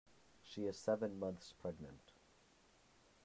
She is seven months pregnant.